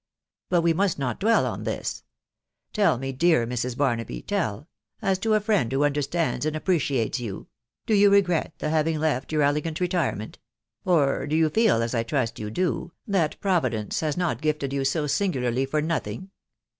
.... But we must not dwell on this. ... Tell me, dear Mrs. Barnaby, tell, — as to a friend who understands and ap* predates you, — do you regret the having left your elegaal retirement ?.... or do you feel, as I trust you do, that Pro vidence has not gifted you so singularly for nothing